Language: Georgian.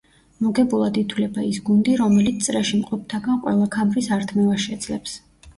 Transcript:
მოგებულად ითვლება ის გუნდი, რომელიც წრეში მყოფთაგან ყველა ქამრის ართმევას შეძლებს.